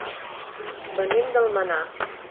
Venim d'Almenar.